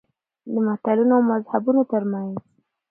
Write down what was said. د ملتونو او مذهبونو ترمنځ.